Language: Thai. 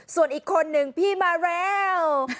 ส่วนอีกคนนึงพี่มาแล้ว